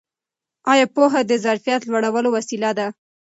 ایا پوهه د ظرفیت لوړولو وسیله ده؟